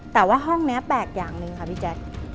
แต่ว่าห้องนี้แปลกอย่างหนึ่งค่ะพี่แจ๊ค